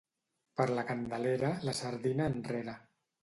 Per la Candelera, la sardina enrere.